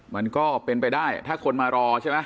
มันก็เป็นไปได้ถ้าคนมารอใช่ไหม